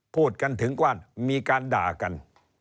พูดกันถึงกว้านมีการด่ากัน